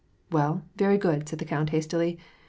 " Well, very good," said the count hastily.